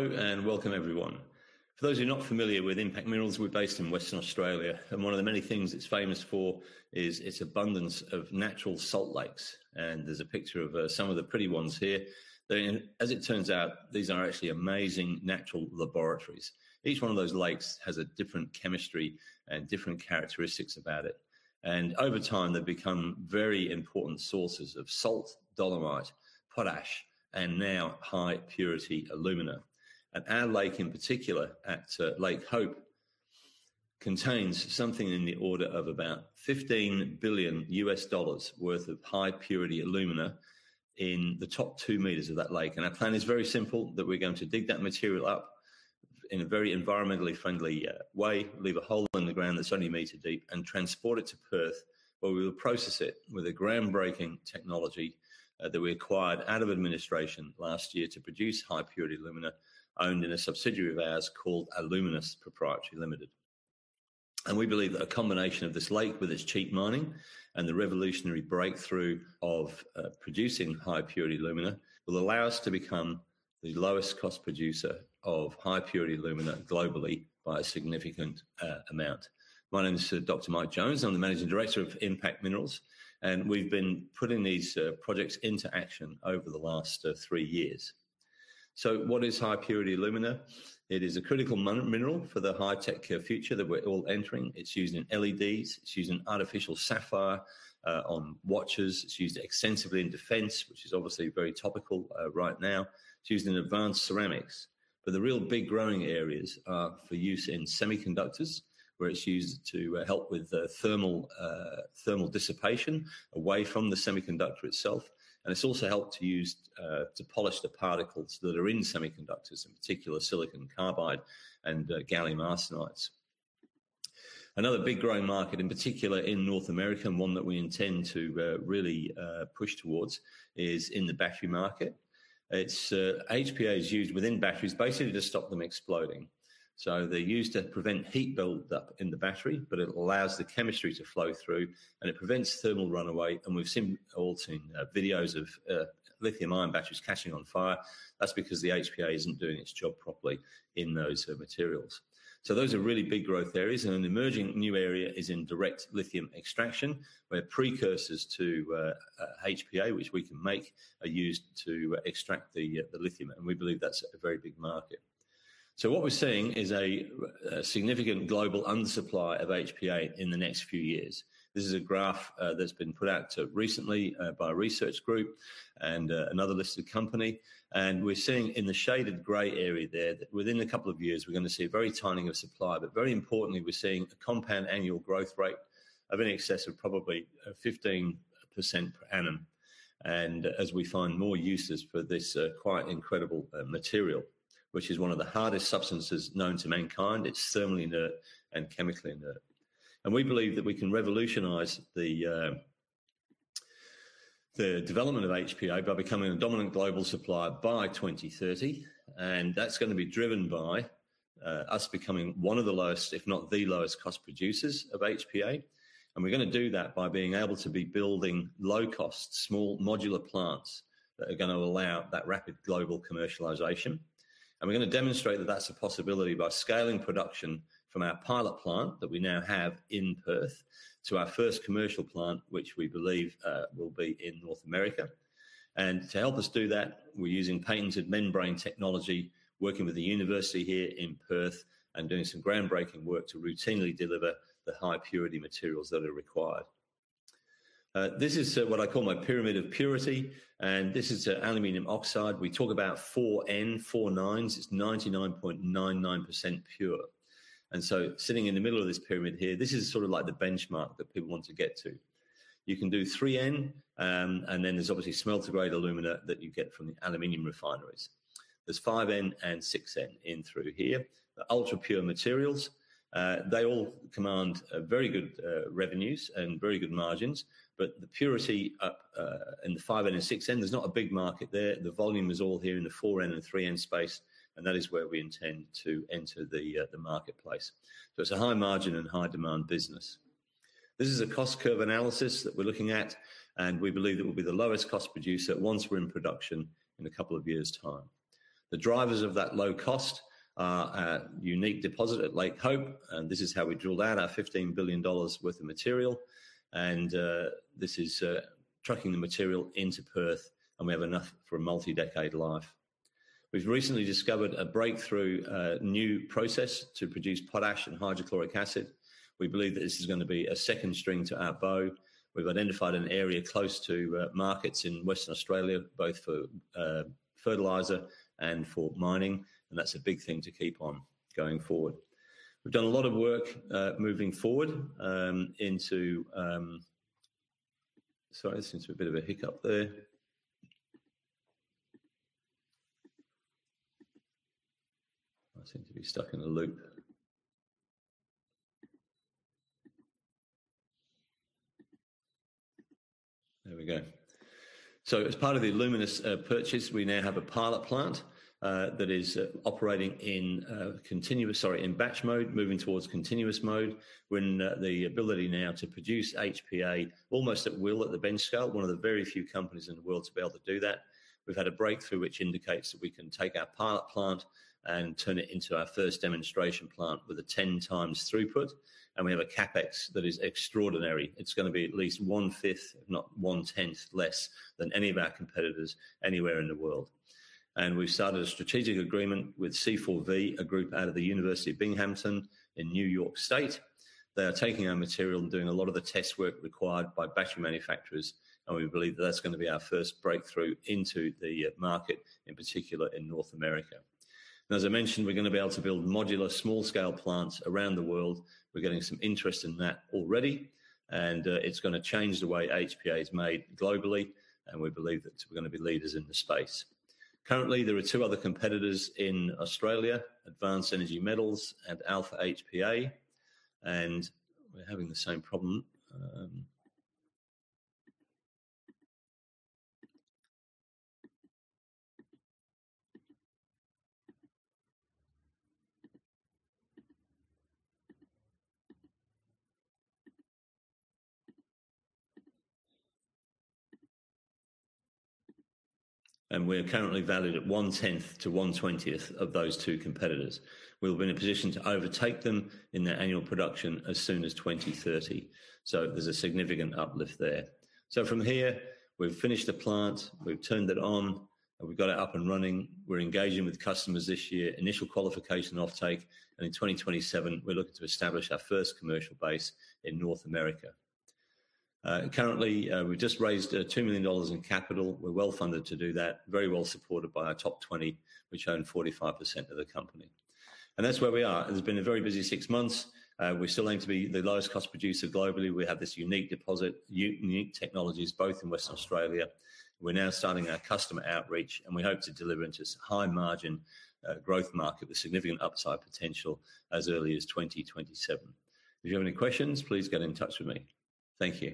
Hello and welcome everyone. For those who are not familiar with Impact Minerals, we're based in Western Australia, and one of the many things it's famous for is its abundance of natural salt lakes, and there's a picture of some of the pretty ones here. As it turns out, these are actually amazing natural laboratories. Each one of those lakes has a different chemistry and different characteristics about it. Over time, they've become very important sources of salt, dolomite, potash, and now high purity alumina. Our lake in particular, at Lake Hope, contains something in the order of about $15 billion worth of high purity alumina in the top 2 m of that lake. Our plan is very simple, that we're going to dig that material up in a very environmentally friendly way, leave a hole in the ground that's only 1 m deep and transport it to Perth, where we will process it with a groundbreaking technology that we acquired out of administration last year to produce high purity alumina, owned in a subsidiary of ours called Alluminous Pty Ltd. We believe that a combination of this lake with its cheap mining and the revolutionary breakthrough of producing high purity alumina will allow us to become the lowest cost producer of high purity alumina globally by a significant amount. My name is Dr. Mike Jones. I'm the Managing Director of Impact Minerals, and we've been putting these projects into action over the last three years. What is high purity alumina? It is a critical mineral for the high-tech future that we're all entering. It's used in LEDs, it's used in artificial sapphire on watches. It's used extensively in defense, which is obviously very topical right now. It's used in advanced ceramics. The real big growing areas are for use in semiconductors, where it's used to help with the thermal dissipation away from the semiconductor itself. It's also used to polish the particles that are in semiconductors, in particular silicon carbide and gallium arsenide. Another big growing market, in particular in North America, and one that we intend to really push towards is in the battery market. HPA is used within batteries basically to stop them exploding. They're used to prevent heat buildup in the battery, but it allows the chemistry to flow through and it prevents thermal runaway. We've all seen videos of lithium-ion batteries catching on fire. That's because the HPA isn't doing its job properly in those materials. Those are really big growth areas, and an emerging new area is in direct lithium extraction, where precursors to HPA, which we can make, are used to extract the lithium, and we believe that's a very big market. What we're seeing is a significant global undersupply of HPA in the next few years. This is a graph that's been put out recently by a research group and another listed company. We're seeing in the shaded gray area there that within a couple of years, we're gonna see a very tightening of supply. Very importantly, we're seeing a compound annual growth rate of in excess of probably 15% per annum. As we find more uses for this quite incredible material, which is one of the hardest substances known to mankind, it's thermally inert and chemically inert. We believe that we can revolutionize the development of HPA by becoming a dominant global supplier by 2030. That's gonna be driven by us becoming one of the lowest, if not the lowest cost producers of HPA. We're gonna do that by being able to be building low cost, small modular plants that are gonna allow that rapid global commercialization. We're gonna demonstrate that that's a possibility by scaling production from our pilot plant that we now have in Perth to our first commercial plant, which we believe will be in North America. To help us do that, we're using patented membrane technology, working with the university here in Perth and doing some groundbreaking work to routinely deliver the high purity materials that are required. This is what I call my pyramid of purity, and this is aluminum oxide. We talk about 4N, four nines. It's 99.99% pure. Sitting in the middle of this pyramid here, this is sort of like the benchmark that people want to get to. You can do 3N, and then there's obviously smelter grade alumina that you get from the aluminum refineries. There's 5N and 6N in through here. The ultra-pure materials, they all command, very good, revenues and very good margins. The purity in the 5N and 6N, there's not a big market there. The volume is all here in the 4N and 3N space, and that is where we intend to enter the marketplace. It's a high margin and high demand business. This is a cost curve analysis that we're looking at, and we believe that we'll be the lowest cost producer once we're in production in a couple of years' time. The drivers of that low cost are our unique deposit at Lake Hope, and this is how we drilled out our $15 billion worth of material. This is trucking the material into Perth, and we have enough for a multi-decade life. We've recently discovered a breakthrough new process to produce potash and hydrochloric acid. We believe that this is gonna be a second string to our bow. We've identified an area close to markets in Western Australia, both for fertilizer and for mining, and that's a big thing to keep on going forward. We've done a lot of work. Sorry, it seems to be a bit of a hiccup there. I seem to be stuck in a loop. There we go. As part of the Alluminous purchase, we now have a pilot plant that is operating in batch mode, moving towards continuous mode. With the ability now to produce HPA almost at will at the bench scale, we are one of the very few companies in the world to be able to do that. We've had a breakthrough which indicates that we can take our pilot plant and turn it into our first demonstration plant with a 10x throughput, and we have a CapEx that is extraordinary. It's gonna be at least one-fifth, if not one-tenth less than any of our competitors anywhere in the world. We've started a strategic agreement with C4V, a group out of Binghamton University in New York State. They are taking our material and doing a lot of the test work required by battery manufacturers, and we believe that's gonna be our first breakthrough into the market, in particular, in North America. Now, as I mentioned, we're gonna be able to build modular small-scale plants around the world. We're getting some interest in that already, and it's gonna change the way HPA is made globally, and we believe that we're gonna be leaders in the space. Currently, there are two other competitors in Australia, Advanced Energy Minerals and Alpha HPA. We're having the same problem. We're currently valued at one-tenth to one-twentieth of those two competitors. We'll be in a position to overtake them in their annual production as soon as 2030. There's a significant uplift there. From here, we've finished the plant, we've turned it on, and we've got it up and running. We're engaging with customers this year, initial qualification offtake, and in 2027, we're looking to establish our first commercial base in North America. Currently, we've just raised 2 million dollars in capital. We're well-funded to do that. Very well supported by our top 20, which own 45% of the company. That's where we are. It has been a very busy six months. We still aim to be the lowest cost producer globally. We have this unique deposit, unique technologies both in Western Australia. We're now starting our customer outreach, and we hope to deliver into this high-margin growth market with significant upside potential as early as 2027. If you have any questions, please get in touch with me. Thank you.